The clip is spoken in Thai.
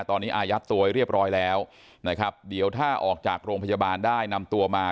ตอนนี้อายัดตัวไว้เรียบร้อยแล้วนะครับเดี๋ยวถ้าออกจากโรงพยาบาลได้นำตัวมา